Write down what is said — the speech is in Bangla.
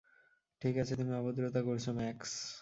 ঠিক আছে তুমি অভদ্রতা করছো, ম্যাক্স।